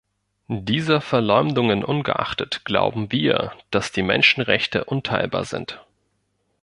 Dieser Verleumdungen ungeachtet glauben wir, dass die Menschenrechte unteilbar sind.